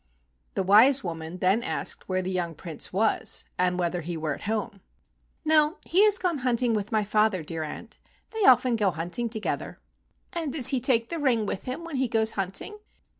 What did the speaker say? The wise woman then asked where the young Prince was and whether he were at home. "No, he has gone hunting with my father, dear aunt. They often go hunting together." "And does he take the ring with him when he goes hunting?"